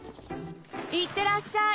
いってらっしゃい。